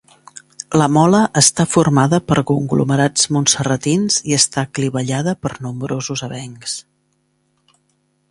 La mola està formada per conglomerats montserratins i està clivellada per nombrosos avencs.